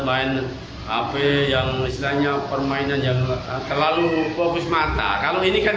main hp yang istilahnya permainan yang terlalu fokus mata kalau ini kan